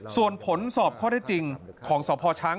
ส่วนผลสอบข้อได้จริงของสพช้าง